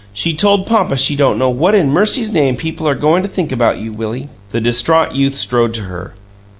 She told papa she don't know what in mercy's name people are goin' to think about you, Willie." The distraught youth strode to her.